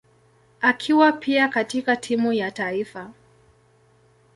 akiwa pia katika timu ya taifa.